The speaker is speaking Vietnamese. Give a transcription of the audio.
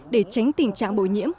để tránh tình trạng bội nhiễm